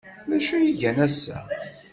D acu ay gan ass-a?